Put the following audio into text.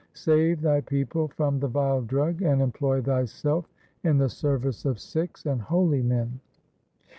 ' Save thy people from the vile drug, and employ thyself in the service of Sikhs and holy men.